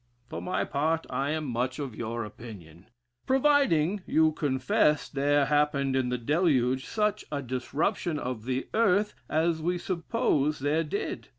For my part I am much of your opinion, providing you confess there happened in the deluge such a disruption of the earth as we suppose there did.